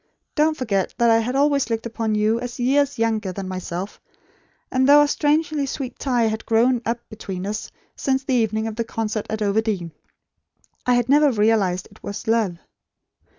Don't forget that I had always looked upon you as YEARS younger than myself; and though a strangely sweet tie had grown up between us, since the evening of the concert at Overdene, I had never realised it as love.